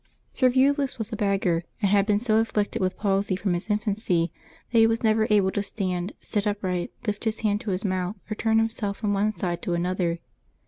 [ervulus was a beggar, and had been so afflicted with palsy from his infancy that he was never able to stand, sit upright, lift his hand to his mouth, or turn him self from one side to another.